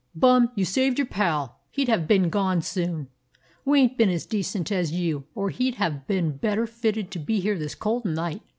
Bum, you saved your pal; he 'd have been gone soon. We ain't been as decent as you, or he 'd have been better fitted to be here this cold night.